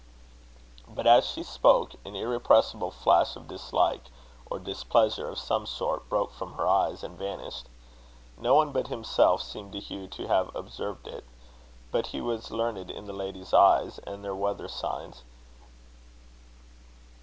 But, as she spoke, an irrepressible flash of dislike, or displeasure of some sort, broke from her eyes, and vanished. No one but himself seemed to Hugh to have observed it; but he was learned in the lady's eyes, and their weather signs.